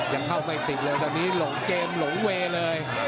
ยังเข้าไม่ติดเลยตอนนี้หลงเกมหลงเวย์เลย